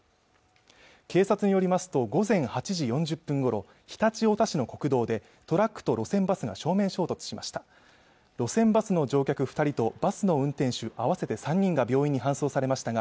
警察によりますと午前８時４０分ごろ常陸太田市の国道でトラックと路線バスが正面衝突しました